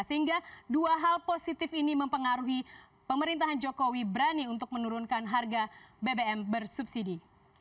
sehingga dua hal positif ini mempengaruhi pemerintahan jokowi berani untuk menurunkan harga bbm bersubsidi